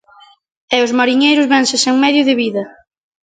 E os mariñeiros vense sen medio de vida.